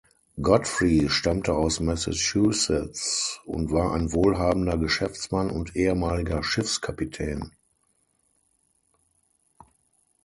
Godfrey stammte aus Massachusetts und war ein wohlhabender Geschäftsmann und ehemaliger Schiffskapitän.